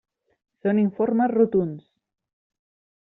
Són informes rotunds.